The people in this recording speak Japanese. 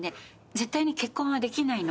絶対に結婚はできないの。